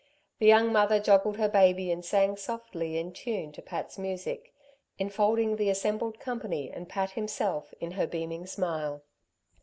The young mother joggled her baby and sang softly in tune to Pat's music, enfolding the assembled company and Pat himself in her beaming smile.